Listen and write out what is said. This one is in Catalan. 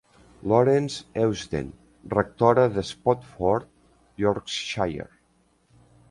Laurence Eusden, rectora de Spofforth, Yorkshire.